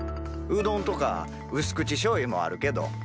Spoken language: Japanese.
うどんとか薄口しょうゆもあるけど。